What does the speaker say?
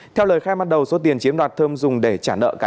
theo lời khai ban đầu số tiền chiếm đoạt thơm dùng để trả nợ cá nhân